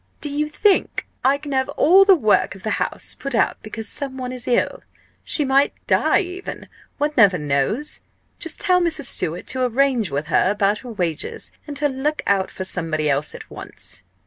"Do you think I can have all the work of the house put out because some one is ill? She might die even one never knows. Just tell Mrs. Stewart to arrange with her about her wages, and to look out for somebody else at once."